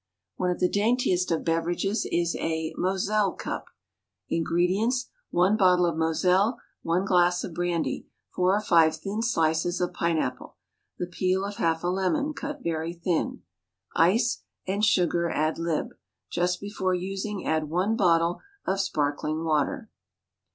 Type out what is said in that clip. One of the daintiest of beverages is a Moselle Cup. Ingredients: One bottle of moselle. One glass of brandy. Four or five thin slices of pine apple. The peel of half a lemon, cut very thin. Ice; and sugar ad lib. Just before using add one bottle of sparkling water.